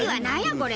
これ。